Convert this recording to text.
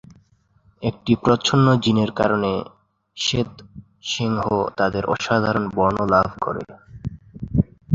একটি প্রচ্ছন্ন জিনের কারণে শ্বেত সিংহ তাদের অসাধারণ বর্ণ লাভ করে।